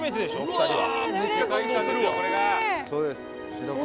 ２人は。